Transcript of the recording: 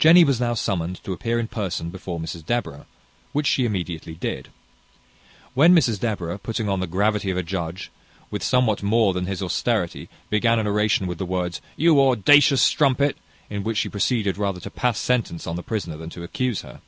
Jenny was now summoned to appear in person before Mrs Deborah, which she immediately did. When Mrs Deborah, putting on the gravity of a judge, with somewhat more than his austerity, began an oration with the words, "You audacious strumpet!" in which she proceeded rather to pass sentence on the prisoner than to accuse her.